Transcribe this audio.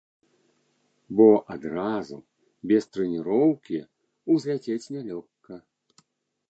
Бо адразу, без трэніроўкі, узляцець нялёгка.